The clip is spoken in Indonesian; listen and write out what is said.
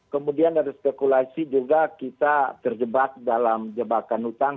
kemudian dari spekulasi juga kita terjebak dalam jebakan hutang